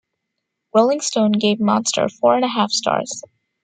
"Rolling Stone" gave "Monster" four and a half stars.